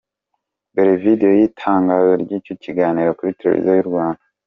Dore Video y’ itangazo ry’icyo kiganiro kuri Televiziyo y’u Rwanda:.